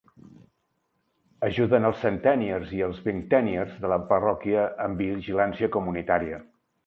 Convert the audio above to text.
Ajuden els "centeniers" i els "vingteniers" de la parròquia amb vigilància comunitària.